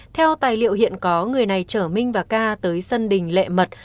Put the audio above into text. theo tài liệu hiện có người này chở minh và ca tới sân đình lệ mật